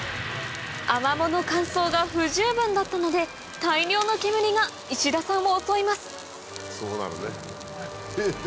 アマモの乾燥が不十分だったので大量の煙が石田さんを襲いますそうなるねフフフ。